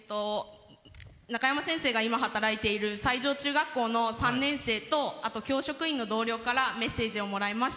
「なかやま先生が働いている中学校の３年生と教職員の同僚からメッセージをもらいました。